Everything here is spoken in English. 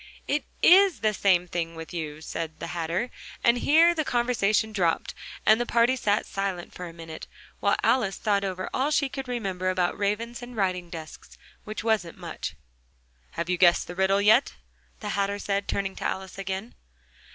"It is the same thing with you," said the Hatter, and here the conversation dropped, and the party sat silent for a minute, while Alice thought over all she could remember about ravens and writing desks, which wasn't much. "Have you guessed the riddle yet?" the Hatter said, turning to Alice again.